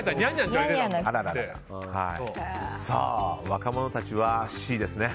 若者たちはＣですね。